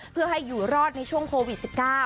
เพื่อให้อยู่รอดในช่วงโควิด๑๙